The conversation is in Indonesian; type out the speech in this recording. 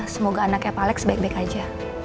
semoga anaknya pak alex baik baik aja